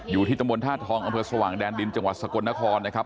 อยู่ที่ตำบลธาตุทองอำเภอสว่างแดนดินจังหวัดสกลนครนะครับ